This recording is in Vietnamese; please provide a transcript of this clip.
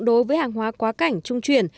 đối với hàng hóa quá cảnh trung chuyển